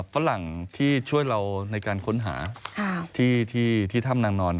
ฝรั่งที่ช่วยเราในการค้นหาที่ถ้ำนางนอน